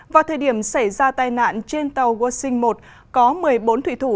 vào thời điểm xảy ra tai nạn trên tàu worlding một có một mươi bốn thủy thủ